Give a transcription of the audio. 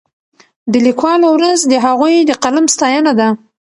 د لیکوالو ورځ د هغوی د قلم ستاینه ده.